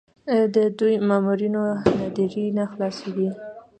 د دوو مامورینو ناندرۍ نه خلاصېدې.